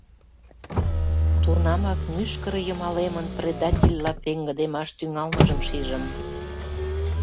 Тунамак мӱшкыр йымалемын предательла пеҥгыдемаш тӱҥалмыжым шижым.